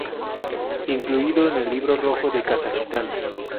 Incluido en el Libro Rojo de Kazajistán.